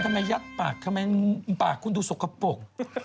คุณทำไมยัดปากทำไมปากคุณดูสกปก